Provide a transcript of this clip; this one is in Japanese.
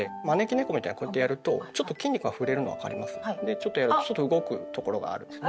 ちょっとやるとちょっと動くところがあるんですね。